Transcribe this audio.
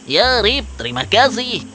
ya rip terima kasih